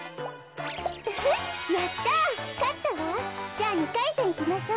じゃあ２かいせんいきましょう。